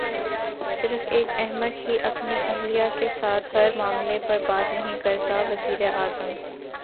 صرف ایک احمق ہی اپنی اہلیہ کے ساتھ ہر معاملے پر بات نہیں کرتا وزیراعظم